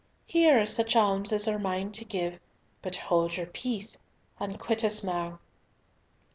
Here are such alms as are mine to give; but hold your peace, and quit us now."